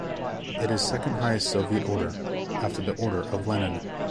It is second highest Soviet order, after the Order of Lenin.